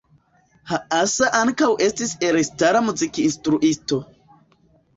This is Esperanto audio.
Haas ankaŭ estis elstara muzikinstruisto.